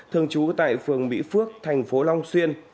thường trú tại phường mỹ phước thành phố long xuyên